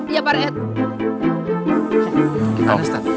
ya pak rt